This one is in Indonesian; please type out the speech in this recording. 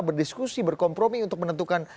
berdiskusi berkompromi untuk menentukan